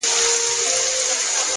• لکه نه چي وي روان داسي پر لار ځي ,